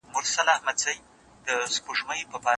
ما بې بخته له سمسوره باغه واخیسته لاسونه